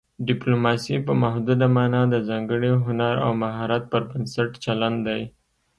ډیپلوماسي په محدوده مانا د ځانګړي هنر او مهارت پر بنسټ چلند دی